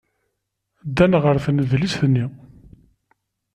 Ddan ɣer tnedlist-nni.